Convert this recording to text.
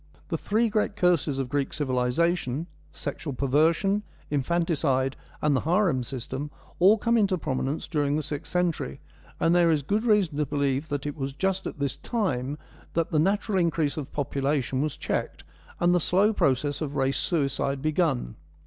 The three great curses of Greek civilisation — sexual perversion, infanticide, and the harem system — all come into prominence during the sixth century, and there is good reason to believe that it was just at this time that the natural increase of population was checked, and the slow process of race suicide begun.